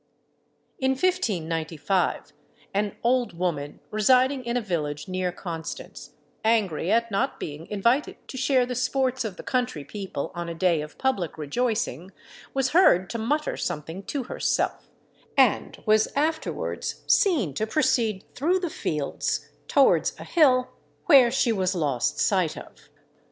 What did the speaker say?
In 1595, an old woman residing in a village near Constance, angry at not being invited to share the sports of the country people on a day of public rejoicing, was heard to mutter something to herself, and was afterwards seen to proceed through the fields towards a hill, where she was lost sight of.